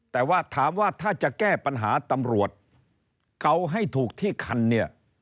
แต่ว่าถามว่าถ้าจะแก้ปัญหาตำรวจเกาให้ถูกที่คันเนี่ย